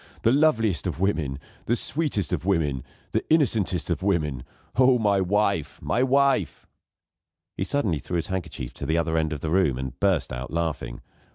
The loveliest of women, the sweetest of women, the innocentest of women. Oh, my wife! my wife!" He suddenly threw his handkerchief to the other end of the room, and burst out laughing.